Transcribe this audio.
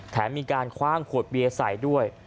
แถมมีการคว่างขวดเบียร์ใส่ด้วย